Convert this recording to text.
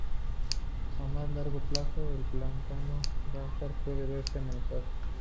A más largo plazo, el pantano Ramsar, puede verse amenazado.